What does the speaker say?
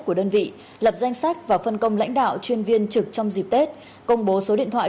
của đơn vị lập danh sách và phân công lãnh đạo chuyên viên trực trong dịp tết công bố số điện thoại